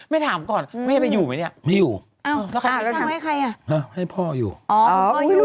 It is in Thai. ไม่ถามก่อนหมีม่ำไปอยู่หรือ